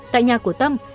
tại nhà của tâm